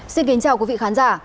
xin kính chào quý vị khán giả